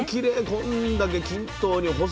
こんだけ均等に細くね。